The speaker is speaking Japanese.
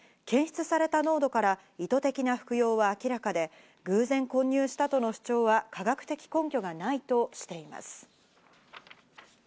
検出された濃度から意図的な服用は明らかで、偶然混入したとの主張は科学的根拠がないとしています。